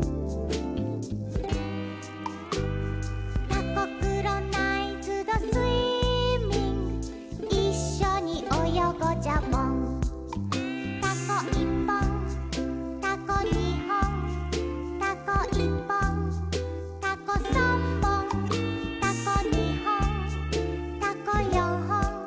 「タコクロナイズドスイミング」「いっしょにおよごジャボン」「タコいっぽん」「タコにほん」「タコいっぽん」「タコさんぼん」「タコにほん」「タコよんほん」